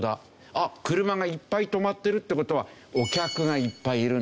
「あっ車がいっぱい止まってるって事はお客がいっぱいいるんだな」。